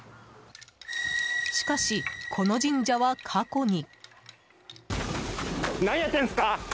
しかし、この神社は過去に。